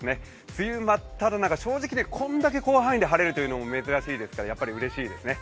梅雨真っただ中、正直これだけ広範囲で晴れるというのも珍しいですから、やっぱりうれしいですね。